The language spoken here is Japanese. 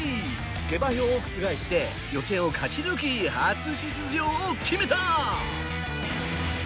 下馬評を覆して予選を勝ち抜き初出場を決めた！